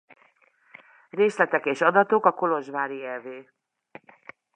Részletek és adatok a kolozsvári ev.